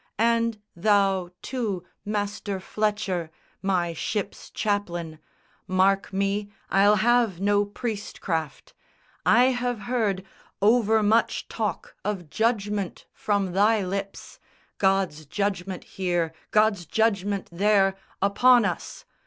And thou, too, master Fletcher, my ship's chaplain, Mark me, I'll have no priest craft. I have heard Overmuch talk of judgment from thy lips, God's judgment here, God's judgment there, upon us!